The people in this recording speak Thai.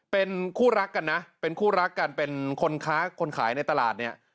เป็นคู่รักกันน่ะเป็นคนขายในตลาดนี่